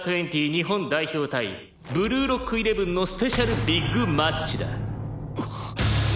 日本代表対ブルーロックイレブンのスペシャルビッグマッチだ」